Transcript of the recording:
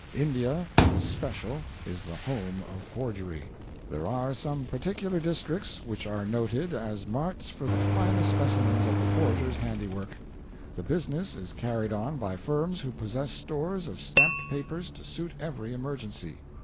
India in especial is the home of forgery. There are some particular districts which are noted as marts for the finest specimens of the forger's handiwork. The business is carried on by firms who possess stores of stamped papers to suit every emergency.